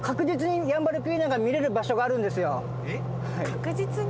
確実に？